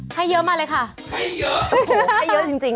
ให้เยอะมาเลยค่ะให้เยอะให้เยอะจริง